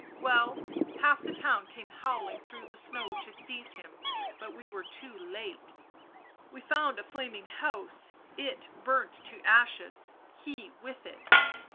. well, half the town came howling through the snow to seize him, but we were too late, we found a flaming house ... it burnt to ashes, he with it